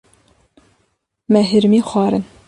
Me hirmî xwarin.